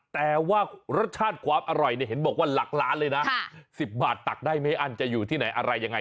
แต่ว่ารสชาติความอร่อยเนี่ยเห็นบอกว่าหลักล้านเลยนะ๑๐บาทตักได้ไม่อั้นจะอยู่ที่ไหนอะไรยังไง